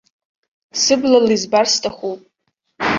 Сыблала избар сҭахуп.